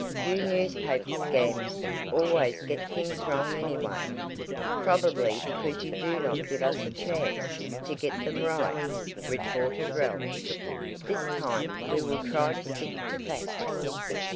"You newspaper scamps always get things wrong anyway." "Probably because you do not give us a chance to get them right," retorted Ralph. "This time we will try to stick to facts."